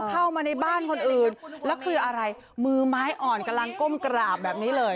เข้ามาในบ้านคนอื่นแล้วคืออะไรมือไม้อ่อนกำลังก้มกราบแบบนี้เลย